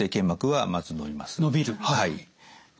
はい。